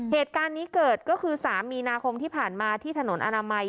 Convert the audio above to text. เหตุการณ์นี้เกิดก็คือ๓มีนาคมที่ผ่านมาที่ถนนอนามัย